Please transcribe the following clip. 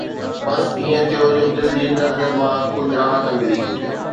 بس ائين ٿيو جو دل جي درد مان ڪجهه راحت ملي